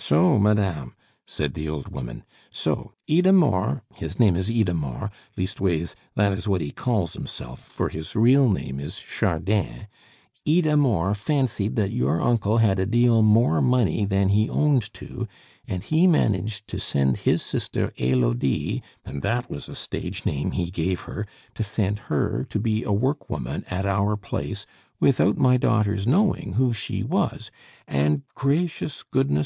"So, madame," said the old woman. "So Idamore, his name is Idamore, leastways that is what he calls himself, for his real name is Chardin Idamore fancied that your uncle had a deal more money than he owned to, and he managed to send his sister Elodie and that was a stage name he gave her to send her to be a workwoman at our place, without my daughter's knowing who she was; and, gracious goodness!